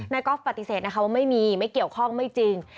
ก๊อฟปฏิเสธนะคะว่าไม่มีไม่เกี่ยวข้องไม่จริง